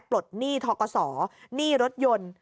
ปลดหนี้ทกศหนี้รถยนต์